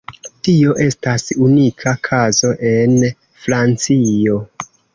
Tio estas unika kazo en Francio.